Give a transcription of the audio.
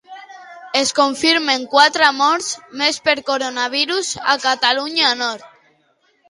Es confirmen quatre morts més per coronavirus a Catalunya Nord.